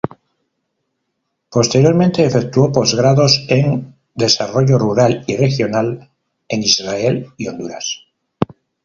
Posteriormente, efectuó postgrados en "Desarrollo Rural y Regional", en Israel y Honduras.